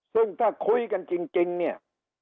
ซึ่งถ้าคุยกันจริงเนี่ย